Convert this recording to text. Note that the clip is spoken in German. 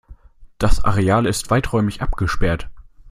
Das Areal ist weiträumig abgesperrt.